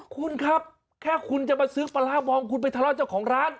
คุณครับแค่คุณจะมาซื้อปลาร้าบองคุณไปทะเลาะเจ้าของร้าน